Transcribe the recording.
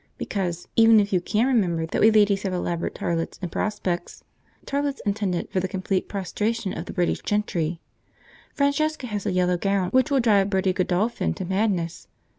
Because, even if you can, remember that we ladies have elaborate toilets in prospect, toilets intended for the complete prostration of the British gentry. Francesca has a yellow gown which will drive Bertie Godolphin to madness.